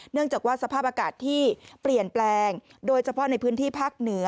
เนื่องจากว่าสภาพอากาศที่เปลี่ยนแปลงโดยเฉพาะในพื้นที่ภาคเหนือ